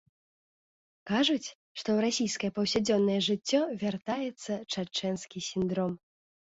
Кажуць, што ў расійскае паўсядзённае жыццё вяртаецца чачэнскі сіндром.